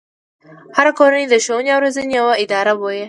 هره کورنۍ د ښوونې او روزنې يوه اداره بويه.